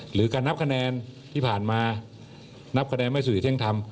หรือการนับคะแนนที่ผ่านมานับคะแนนไม่สุริเที่ยงธรรม